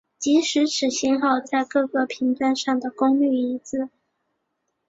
即此信号在各个频段上的功率一致。